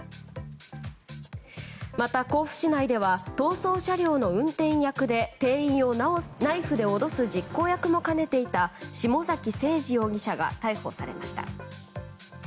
また、甲府市内では逃走車両の運転役で店員をナイフで脅す実行役も兼ねていた下崎星児容疑者が逮捕されました。